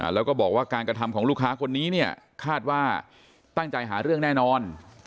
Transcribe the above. แล้วก็บอกว่าการกระทำของลูกค้าคนนี้เนี่ยคาดว่าตั้งใจหาเรื่องแน่นอน